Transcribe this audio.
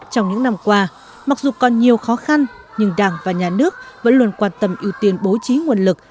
trong những năm qua mặc dù còn nhiều khó khăn nhưng đảng và nhà nước vẫn luôn quan tâm ưu tiên bố trí nguồn lực